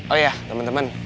oh iya teman teman